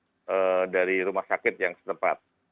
kemudian ada petugas dari rumah sakit yang setempat